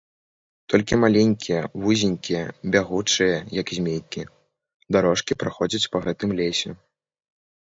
Толькі маленькія, вузенькія, бягучыя, як змейкі, дарожкі праходзяць па гэтым лесе.